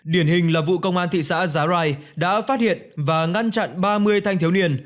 điển hình là vụ công an thị xã giá rai đã phát hiện và ngăn chặn ba mươi thanh thiếu niên